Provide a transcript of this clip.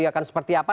yang akan seperti apa